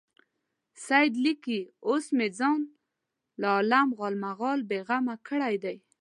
سید لیکي اوس مې ځان له عالم غالمغال بېغمه کړی دی.